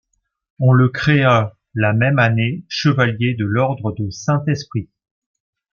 On le créa la même année chevalier de l’ordre du Saint-Esprit.